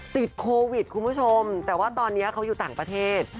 ติดโควิดคุณผู้ชมแต่ว่าตอนนี้เขาอยู่ต่างประเทศ